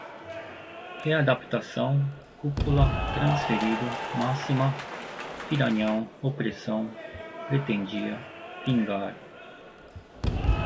readaptação, cúpula, transferido, máxima, piranhão, opressão, pretendia, vingar